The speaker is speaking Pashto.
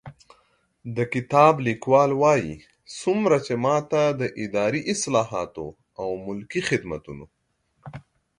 د کتاب لیکوال وايي، څومره چې ما ته د اداري اصلاحاتو او ملکي خدمتونو